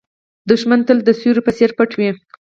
دښمن تل د سیوري په څېر پټ وي